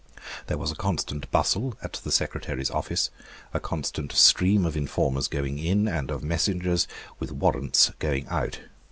There was a constant bustle at the Secretary's Office, a constant stream of informers coming in, and of messengers with warrants going out.